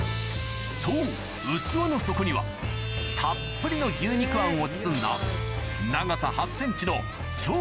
そう器の底にはたっぷりの牛肉あんを包んだ